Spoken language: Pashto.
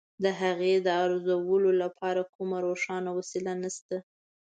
د هغې د ارزولو لپاره کومه روښانه وسیله نشته.